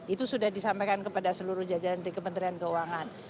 itu sudah disampaikan kepada seluruh jajaran di kementerian keuangan